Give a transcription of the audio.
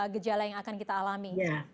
gejala yang akan kita alami